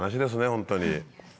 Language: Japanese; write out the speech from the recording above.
ホントに。